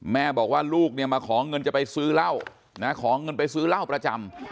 แม่บอกว่าลูกเนี่ยมาขอเงินจะไปซื้อเหล้านะขอเงินไปซื้อเหล้าประจำ